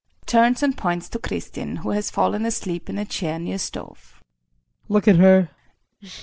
[Turns and points to Kristin, who has fallen asleep in a chair near stove]. Look at her.